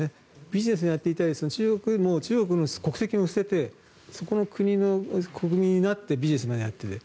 ビジネスをやっていて中国の国籍も捨ててその国の国民になってビジネスまでやっていて。